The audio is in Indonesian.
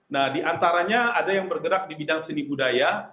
nah diantaranya ada yang bergerak di bidang seni budaya